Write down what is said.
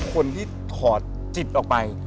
คนที่ถอดจิตออกไป